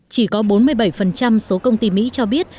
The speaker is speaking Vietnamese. chỉ có bốn mươi bảy số công ty mỹ cho biết